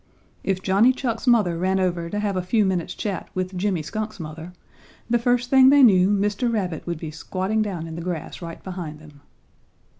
If Johnny Chuck's mother ran over to have a few minutes' chat with Jimmy Skunk's mother, the first thing they knew Mr. Rabbit would be squatting down in the grass right behind them.